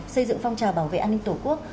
xây dựng phong trào bảo vệ an ninh tổ quốc